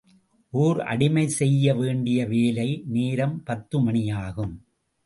ஓர் அடிமை செய்ய வேண்டிய வேலை நேரம் பத்துமணியாகும்.